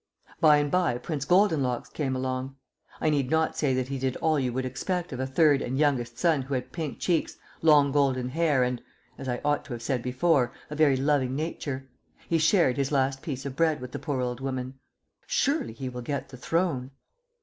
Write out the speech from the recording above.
By and by Prince Goldenlocks came along. I need not say that he did all that you would expect of a third and youngest son who had pink cheeks, long golden hair, and (as I ought to have said before) a very loving nature. He shared his last piece of bread with the poor old woman.... (Surely he will get the throne!)